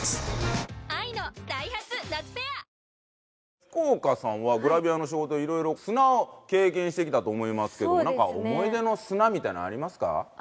福岡さんはグラビアの仕事色々砂を経験してきたと思いますけどなんか思い出の砂みたいなのありますか？